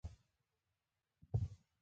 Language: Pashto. دوی به هیڅ وخت زړونه ښه نه کړي.